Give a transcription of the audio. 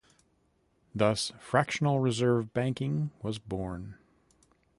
Thus fractional-reserve banking was born.